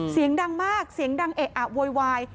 เสียงดังมากเสียงดังเอะอะโวยวาย